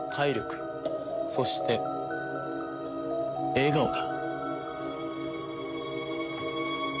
そして笑顔だ。